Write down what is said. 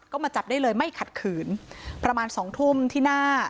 ก็มาจับได้เลยไม่ขัดขืนประมาณสองทุ่มที่หน้า